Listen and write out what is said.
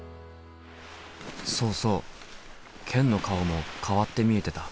そうそうケンの顔も変わって見えてた。